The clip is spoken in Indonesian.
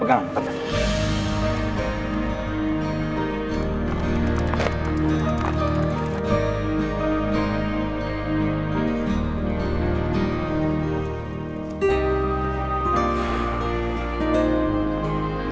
pegang aja pegang